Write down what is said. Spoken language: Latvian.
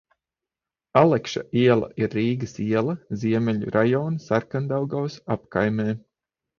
Alekša iela ir Rīgas iela, Ziemeļu rajona Sarkandaugavas apkaimē.